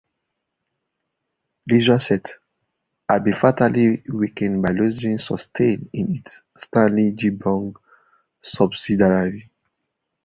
"Letraset" had been fatally weakened by losses sustained in its Stanley Gibbons subsidiary.